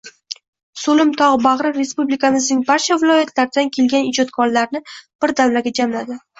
Sòlim toģ baģri respublikamizning barcha viloyatlaridan kelgan ijodkorlarni bir davraga jamladi